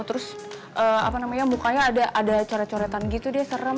terus mukanya ada coret coretan gitu deh serem